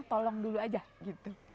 tolong dulu aja gitu